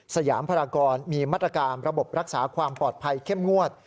สยามพรากรมีมาตรการระบบรักษาความปลอดภัยเข้มงวด